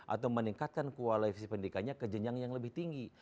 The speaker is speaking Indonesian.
atau meningkatkan kualitas pendidikannya ke jenjang yang lebih tinggi